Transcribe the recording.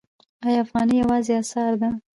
آیا افغانۍ یوازینۍ اسعار ده؟